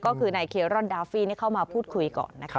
ก็คือนายเครอนดาฟี่เข้ามาพูดคุยก่อนนะคะ